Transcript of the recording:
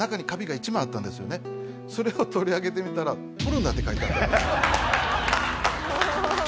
それを取り上げてみたら「とるな！！」って書いてあった。